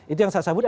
itu yang saya sebut